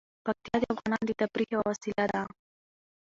پکتیا د افغانانو د تفریح یوه وسیله ده.